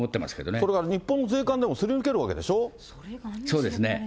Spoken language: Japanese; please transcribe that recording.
それから日本の税関でもすりそうですね。